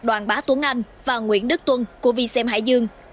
đoàn bá tuấn anh và nguyễn đức tuân của vxm hải dương